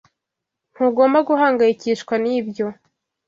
Ntugomba guhangayikishwa nibyo,